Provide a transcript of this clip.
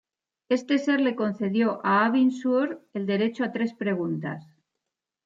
Este ser le concedió a Abin Sur el derecho a tres preguntas.